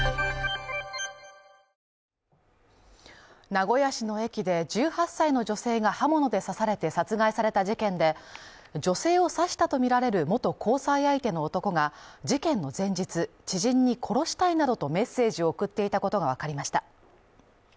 名古屋市の駅で１８歳の女性が刃物で刺されて殺害された事件で、女性を刺したとみられる元交際相手の男が、事件の前日、知人に殺したいなどとメッセージを送っていたことがわかりました。